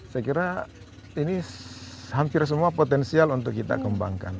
saya kira ini hampir semua potensial untuk kita kembangkan